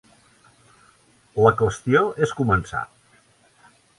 La qüestió és començar.